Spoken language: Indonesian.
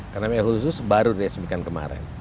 karena ekonomi khusus baru diresmikan kemarin